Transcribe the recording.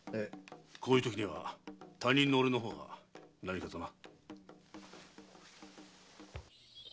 こういうときには他人の俺の方が何かとな。